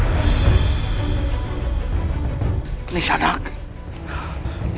aku harus menggunakan jurus dagak puspa